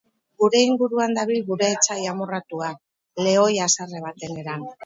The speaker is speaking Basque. Gure inguruan dabil gure etsai amorratua, lehoi haserre baten eran.